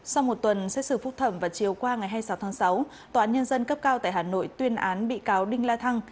sau một tuần xét xử phúc thẩm vào chiều qua ngày hai mươi sáu tháng sáu tòa án nhân dân cấp cao tại hà nội tuyên án bị cáo đinh la thăng